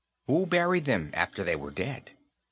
Who buried them, after they were dead?"